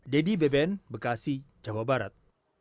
dedy beben bekasi jawa barat